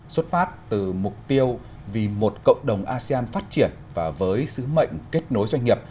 xuất phát từ mục tiêu vì một cộng đồng asean phát triển và với sứ mệnh kết nối doanh nghiệp